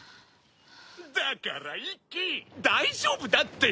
だから一輝大丈夫だって！